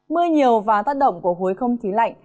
mưa nhiều và tác động của khối không khí lạnh